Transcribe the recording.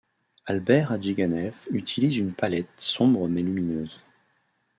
Albert Hadjiganev utilise une palette sombre mais lumineuse.